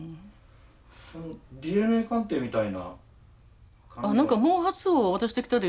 ＤＮＡ鑑定みたいな。